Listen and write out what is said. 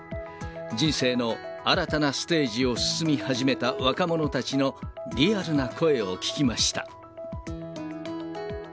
人生の新たなステージを進み始めた若者たちのリアルな声を聞きました。